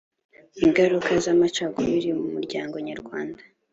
ingaruka z amacakubiri mu muryango nyarwanda